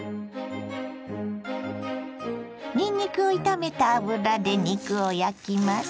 にんにくを炒めた油で肉を焼きます。